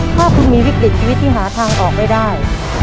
ถ้าคุณมีวิกฤตชีวิตที่หาทางออกไม่ได้